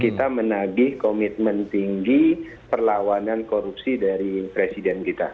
kita menagih komitmen tinggi perlawanan korupsi dari presiden kita